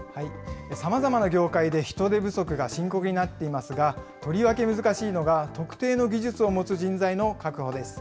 さまざまな業界で人手不足が深刻になっていますが、とりわけ難しいのが、特定の技術を持つ人材の確保です。